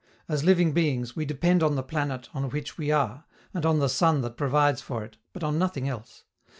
As living beings, we depend on the planet on which we are, and on the sun that provides for it, but on nothing else.